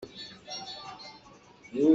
Ni kum ah hi rang hi ka rak cawk.